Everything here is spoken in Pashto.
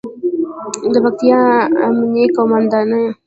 د پکتیا امنیې قوماندانۍ